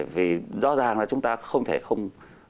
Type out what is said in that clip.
vì rõ ràng là chúng ta không thể không